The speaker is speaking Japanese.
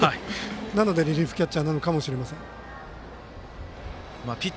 なので、リリーフキャッチャーなのかもしれません。